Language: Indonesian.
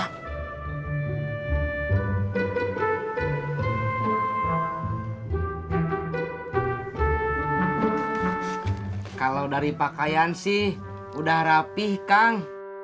kalau dari pakaian sih udah rapih kang